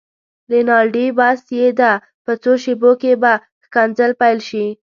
رینالډي: بس یې ده، په څو شېبو کې به ښکنځل پيل شي.